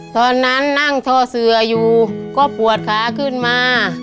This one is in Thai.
ตอนนั้นนั่งท่อเสืออยู่ก็ปวดขาขึ้นมา